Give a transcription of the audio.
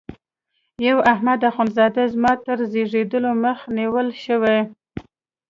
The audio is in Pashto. یو احمد اخوند زاده زما تر زیږېدلو مخکي نیول شوی.